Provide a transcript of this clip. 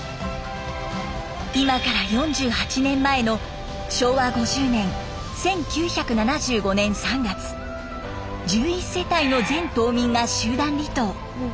今から４８年前の昭和５０年１９７５年３月１１世帯の全島民が集団離島。